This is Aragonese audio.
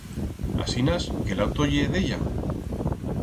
Asinas que l'auto ye d'ella?